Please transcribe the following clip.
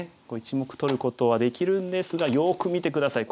１目取ることはできるんですがよく見て下さい。